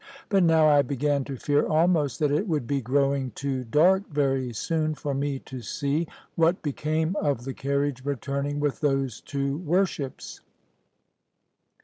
But now I began to fear almost that it would be growing too dark very soon for me to see what became of the carriage returning with those two worships.